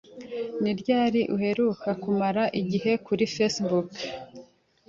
Ni ryari uheruka kumara igihe kuri Facebook?